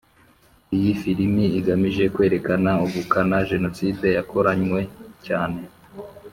Iyi filimi igamije kwerekana ubukana Jenoside yakoranywe cyane